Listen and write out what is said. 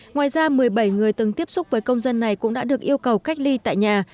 ngoài ra một mươi bảy người từng tiếp xúc với công dân này cũng đã được yêu cầu cách ly tại nhà